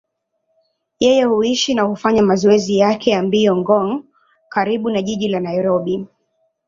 Yeye huishi na hufanya mazoezi yake ya mbio Ngong, karibu na jiji la Nairobi.